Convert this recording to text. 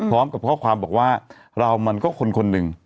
พร้อมกับข้อความบอกว่าเรามันก็คนหนึ่ง